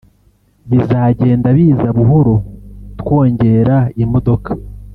bizagenda biza buhoro twongera imodoka”